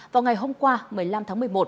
vào ngày hôm qua một mươi năm tháng một mươi một